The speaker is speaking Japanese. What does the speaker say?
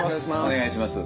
お願いします。